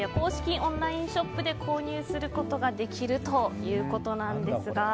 オンラインショップで購入することができるんですが。